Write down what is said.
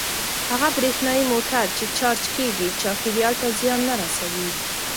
هغه برېښنايي موټر چې چارج کیږي چاپیریال ته زیان نه رسوي.